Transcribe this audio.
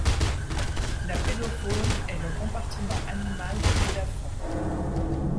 La pédofaune est le compartiment animal de l'édaphon.